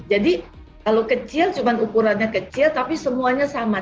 jadi kalau kecil cuma ukurannya kecil tapi semuanya sama